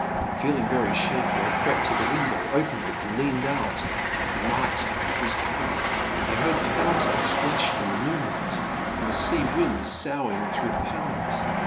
Feeling very shaky, I crept to the window, opened it, and leaned out. The night was calm. I heard the fountain splashing in the moonlight and the sea winds soughing through the palms.